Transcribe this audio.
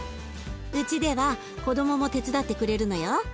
うちでは子どもも手伝ってくれるのよ。